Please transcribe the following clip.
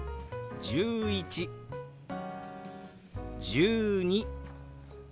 「１２」。